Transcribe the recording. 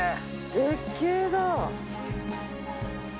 絶景だ。